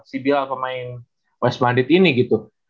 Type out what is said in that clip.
si bilal pemain west bandit ini gitu